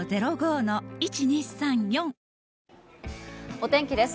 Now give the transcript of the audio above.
お天気です。